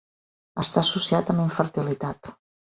Està associat amb infertilitat.